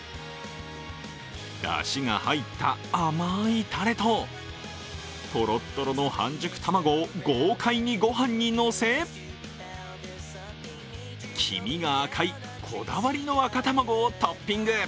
だしが入った甘いタレととろっとろの半熟卵を豪快にごはんにのせ黄身が赤いこだわりの赤卵をトッピング。